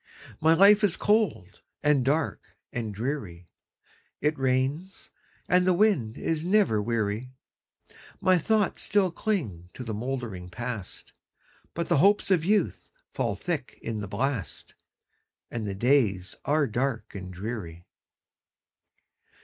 My life is cold, and dark, and dreary; It rains, and the wind is never weary; My thoughts still cling to the mouldering Past, But the hopes of youth fall thick in the blast, And the days are dark and dreary.